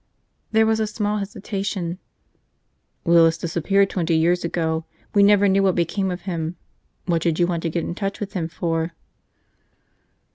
There was a small hesitation. "Willis disappeared twenty years ago. We never knew what became of him. What did you want to get in touch with him for?"